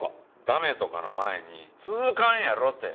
駄目とかの前に続かんやろって。